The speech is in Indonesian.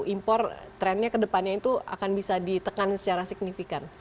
impor trendnya kedepannya itu akan bisa ditekan secara signifikan